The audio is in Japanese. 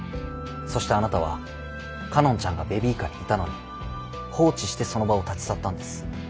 そしてあなたは佳音ちゃんがベビーカーにいたのに放置してその場を立ち去ったんです。